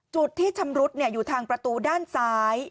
จุดที่ชำรุดอยู่ทางประตูด้านซ้าย